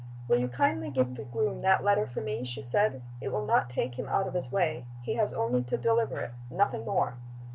"Will you kindly give the groom that letter for me?" she said. "It will not take him out of his way. He has only to deliver it nothing more."